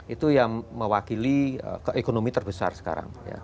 itu yang mewakili keekonomi terbesar sekarang